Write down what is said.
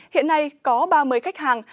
hiện nay có ba mươi khách hàng